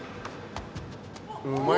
うまい！